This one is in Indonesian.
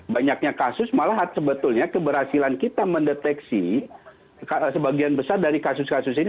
banyaknya kasus malah sebetulnya keberhasilan kita mendeteksi sebagian besar dari kasus kasus ini